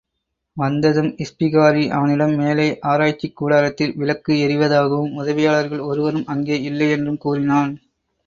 வந்ததும் இஸ்பிகாரி அவனிடம் மேலே ஆராய்ச்சிக் கூடாரத்தில் விளக்கு எரிவதாகவும், உதவியாளர்கள் ஒருவரும் அங்கே இல்லை என்றும் கூறினான்.